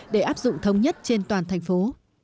để áp dụng thống nhất trên toàn thành phố